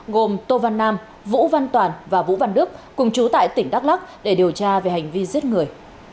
gồm tô văn nam vũ văn toàn và vũ văn đức cùng chú tại tỉnh đắk lắc để điều tra về hành vi giết người